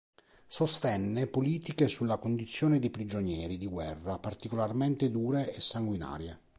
Sostenne politiche sulla condizione dei prigionieri di guerra particolarmente dure e sanguinarie.